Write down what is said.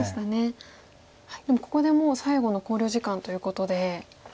でもここでもう最後の考慮時間ということで。